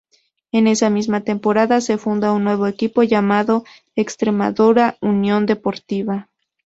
En esa misma temporada se funda un nuevo equipo llamado Extremadura Unión Deportiva.